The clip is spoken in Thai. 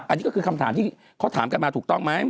อันนี้ก็คือคำถามที่เขาถามกันมาถูกต้องไหม